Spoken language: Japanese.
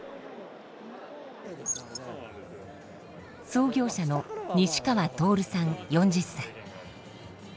創業者の西川徹さん４０歳。